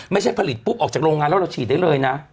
ไม่ใช่ผลิตปุ๊บออกจากโรงงานแล้วเราฉีดได้เลยนะ